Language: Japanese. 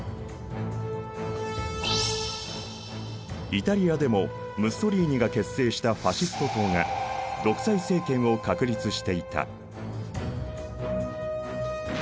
イタリアでもムッソリーニが結成したファシスト党が独裁政権を確立していた。